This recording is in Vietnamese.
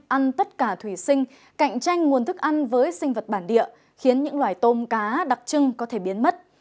ăn tất cả thủy sinh cạnh tranh nguồn thức ăn với sinh vật bản địa khiến những loài tôm cá đặc trưng có thể biến mất